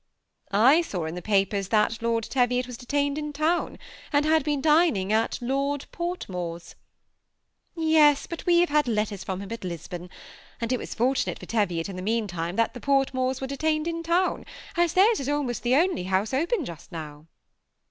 " I saw in the papers that Lord Teviot was detained in town, and had been dining at Lord FortmoreV " Yes, but we have had letters from him at Lisbon : and it was fortunate for Teviot in the mean time that the Portmores were detained in town, as their's is almost the only house open just now."